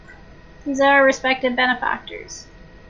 These are our respected benefactors.